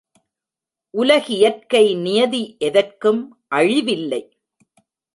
உலகியற்கை நியதி எதற்கும் அழிவில்லை.